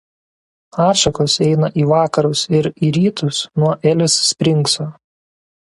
Atšakos eina į vakarus ir į rytus nuo Elis Springso.